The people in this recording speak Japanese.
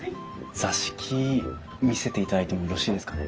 座敷見せていただいてもよろしいですかね？